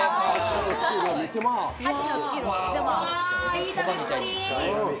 いい食べっぷり。